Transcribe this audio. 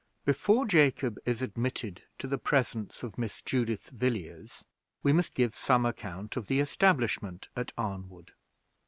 Before Jacob is admitted to the presence of Miss Judith Villiers, we must give some account of the establishment at Arnwood.